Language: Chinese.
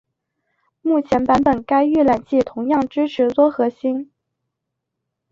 目前版本该预览器同样支持多核心。